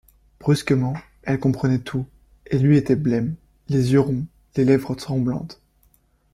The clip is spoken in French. Brusquement, elle comprenait tout, et lui était blême, les yeux ronds, les lèvres tremblantes.